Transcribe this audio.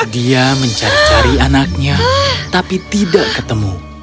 dia mencari cari anaknya tapi tidak ketemu